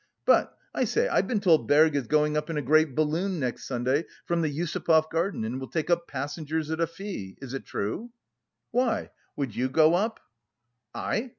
But, I say, I've been told Berg is going up in a great balloon next Sunday from the Yusupov Garden and will take up passengers at a fee. Is it true?" "Why, would you go up?" "I...